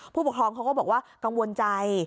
ผู้ปกครองเขาก็บอกว่ากังวลใจ